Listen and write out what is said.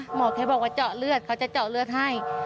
หมอแค่บอกว่าเจาะเลือดเขาจะเจาะเลือดให้